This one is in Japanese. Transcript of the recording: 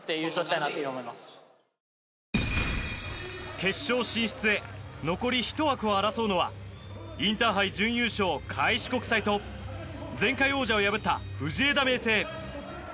決勝進出へ残り１枠を争うのはインターハイ準優勝、開志国際と前回王者を破った藤枝明誠。